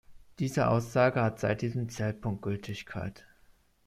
Diese Aussage hat seit diesem Zeitpunkt Gültigkeit.